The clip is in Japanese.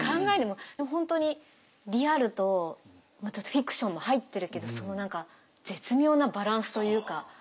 本当にリアルとちょっとフィクションも入ってるけどその何か絶妙なバランスというか。